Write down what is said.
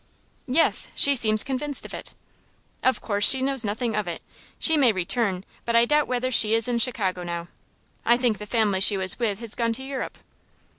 "Yes; she seems convinced of it." "Of course she knows nothing of it. She may return, but I doubt whether she is in Chicago now. I think the family she was with has gone to Europe."